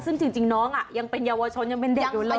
ซึ่งจริงน้องยังเป็นเยาวชนยังเป็นเด็กอยู่เลย